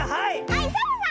はいサボさん！